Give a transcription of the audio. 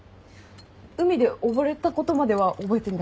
海で溺れたことまでは覚えてんだけど。